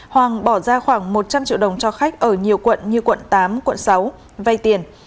hoàng bỏ ra khoảng một trăm linh triệu đồng cho khách ở nhiều quận như quận tám quận sáu vay tiền